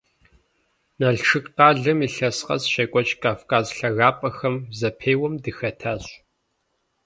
Налшык къалэм илъэс къэс щекӀуэкӀ «Кавказым и лъагапӀэхэр» зэпеуэм дыхэтащ.